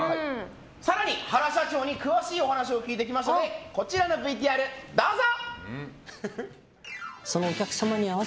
更に原社長に詳しいお話を聞いてきましたのでこちらのＶＴＲ、どうぞ！